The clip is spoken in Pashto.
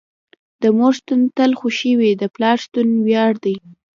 د مور شتون تل خوښې وي، د پلار شتون وياړ دي.